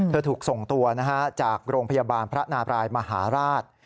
ถูกส่งตัวจากโรงพยาบาลพระนาบรายมหาราช